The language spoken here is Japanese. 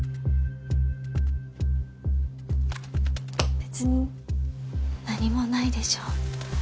別に何もないでしょ？